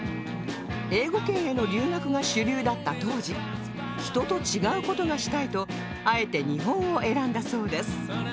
英語圏への留学が主流だった当時人と違う事がしたいとあえて日本を選んだそうです